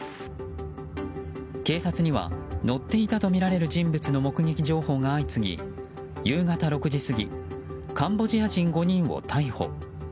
警察には、乗っていたとみられる人物の目撃情報が相次ぎ夕方６時過ぎカンボジア人５人を逮捕。